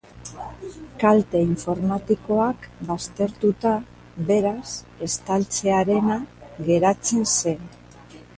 Kalte informatikoak baztertuta, beraz, estaltzearena geratzen zen.